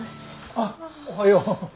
あおはよう。